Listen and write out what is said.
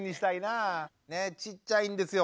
ちっちゃいんですよ